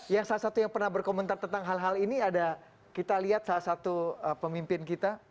yang salah satu yang pernah berkomentar tentang hal hal ini ada kita lihat salah satu pemimpin kita